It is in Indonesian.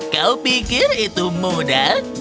kau pikir itu mudah